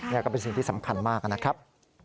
นี่ก็เป็นสิ่งที่สำคัญมากนะครับ